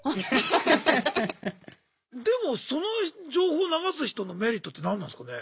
でもその情報を流す人のメリットって何なんすかね？